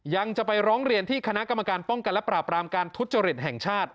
จะไปร้องเรียนที่คณะกรรมการป้องกันและปราบรามการทุจริตแห่งชาติ